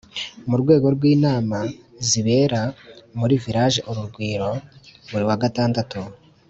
Mu rwego rw'inama zibera muri Village Urugwiro buri wa gatandatu